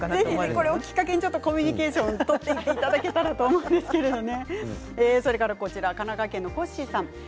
ぜひこれをきっかけにコミュニケーションを取っていただければと思うんですけどね。